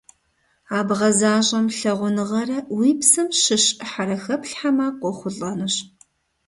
А бгъэзащӀэм лъагъуныгъэрэ уи псэм щыщ Ӏыхьэрэ хэплъхьэмэ, къохъулӀэнущ.